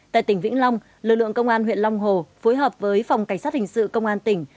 tại tỉnh vĩnh long lực lượng công an huyện long hồ phối hợp với phòng cảnh sát hình sự công an tỉnh